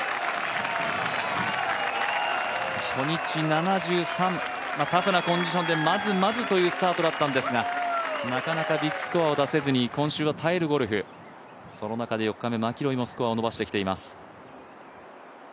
初日７３、タフなコンディションでまずまずというスタートだったんですがなかなかビッグスコアを出せずに今週は耐えるゴルフ、その中で４日目、マキロイもスコアを伸ばしてきています。